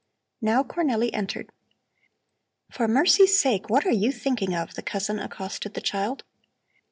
Now Cornelli entered. "For mercy's sake, what are you thinking of!" the cousin accosted the child.